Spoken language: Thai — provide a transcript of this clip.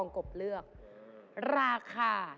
เก่งมาก